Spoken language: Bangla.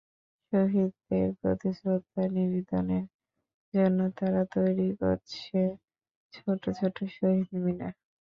শহীদদের প্রতি শ্রদ্ধা নিবেদনের জন্য তারা তৈরি করছে ছোট ছোট শহীদ মিনার।